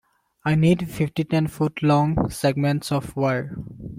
I need fifty ten-foot-long segments of wire.